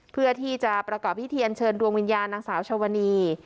เพื่อที่จะประกอบพิธีเชิญดวงวิญญาณนางสาวชวนี